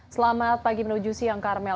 selamat pagi menuju siang karmel